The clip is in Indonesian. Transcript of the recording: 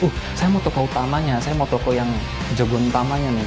uh saya mau toko utamanya saya mau toko yang jagoan utamanya nih